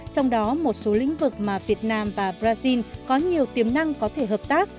trong đó một số lĩnh vực mà việt nam và brazil có nhiều tiềm năng có thể hợp tác